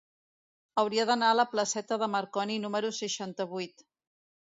Hauria d'anar a la placeta de Marconi número seixanta-vuit.